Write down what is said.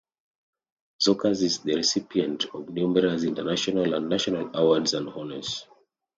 Zuokas is the recipient of numerous international and national awards and honors.